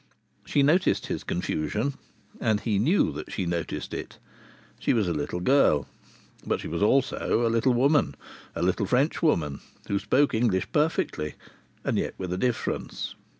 She noticed his confusion, and he knew that she noticed it. She was a little girl. But she was also a little woman, a little Frenchwoman, who spoke English perfectly and yet with a difference!